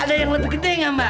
ada yang lebih gede gak mbak